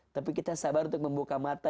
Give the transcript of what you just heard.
tapi kita sabar untuk membuka mata